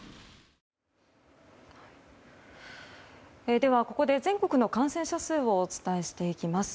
では、ここで全国の感染者数をお伝えしていきます。